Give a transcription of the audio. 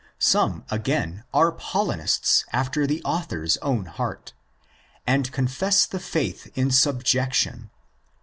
Some, again, are Paulinists after the author's own heart, and confess the faith in subjection (cf.